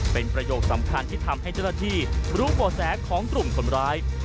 เป็นประโยคสำคัญที่ทำให้เจราชีรู้กว่าแสของกรุงคนร้าย